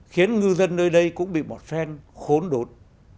khiến ngư dân nơi đây cũng bị bỏ tren khốn đột